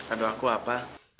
adu aku apa